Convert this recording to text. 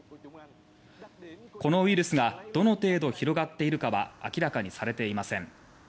このウイルスがどの程度広がっているかは明らかにされていません。